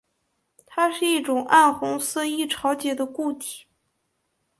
它是一种暗红色易潮解的固体。